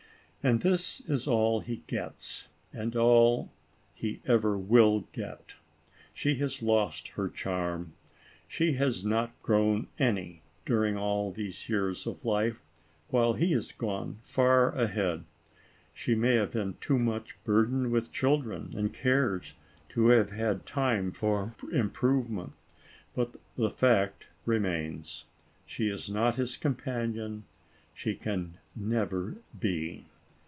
And this is all he gets, and all he ever will get. She has lost her charm. She has not grown any during all these years of life, while he has gone far ahead. She may have been too much burdened with children and cares, to have had time for improvement, but the fact remains. She is not his companion, she can never be.